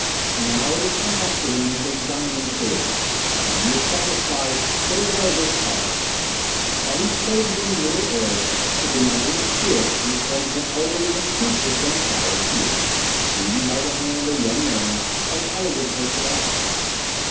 Now it has come back to him with a diamond clearness, and he is satisfied that it was as follows: While he floated in the Middle Air a benevolent spirit in the form of an elderly and toothless vampire appeared, leading by the hand a young man, of elegant personality.